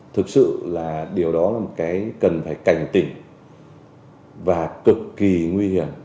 thực sự là điều đó là một cái cần phải cảnh tỉnh và cực kỳ nguy hiểm